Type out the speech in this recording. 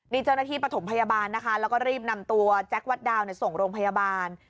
นี่เจ้าหน้าที่ปฐมพยาบาลนะคะแล้วก็รีบนำตัวแจ็ควัดดาวส่งโรงพยาบาล